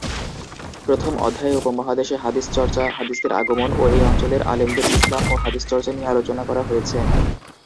প্রথম অধ্যায়ে উপমহাদেশে হাদিস চর্চা, হাদিসের আগমন, ও এই অঞ্চলের আলেমদের ইসলাম ও হাদিস চর্চা নিয়ে আলোচনা করা হয়েছে।